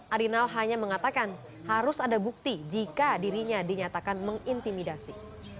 arinal hanya mengatakan harus ada bukti jika dirinya dinyatakan mengintimidasi